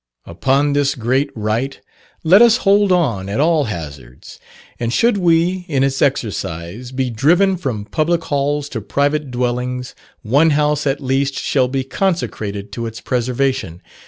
Upon this great right let us hold on at all hazards. And should we, in its exercise, be driven from public halls to private dwellings, one house at least shall be consecrated to its preservation.